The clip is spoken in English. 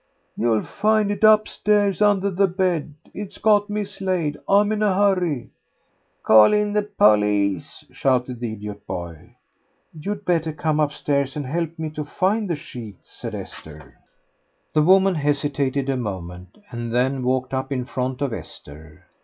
"You'll find it upstairs under the bed. It's got mislaid. I'm in a hurry." "Call in the police," shouted the idiot boy. "You'd better come upstairs and help me to find the sheet," said Esther. The woman hesitated a moment, and then walked up in front of Esther.